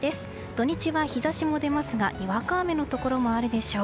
土日は日差しも出ますがにわか雨のところもあるでしょう。